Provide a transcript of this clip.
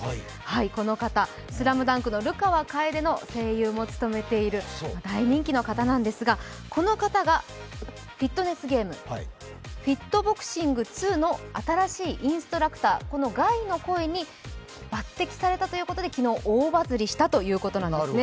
この方、「ＳＬＡＭＤＵＮＫ」の流川楓の声優も務めている大人気の方なんですが、この方がフィットネスゲーム、ＦｉｔＢｏｘｉｎｇ２の新しいインストラクターガイの声に抜てきされたということで昨日、大バズりしたということなんですね。